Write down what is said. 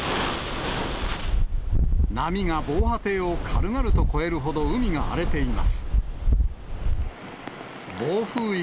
波が防波堤を軽々と越えるほど、海が荒れています。